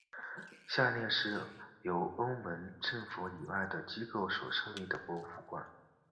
下列是由澳门政府以外的机构所设立的博物馆。